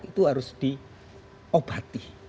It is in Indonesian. itu harus diobati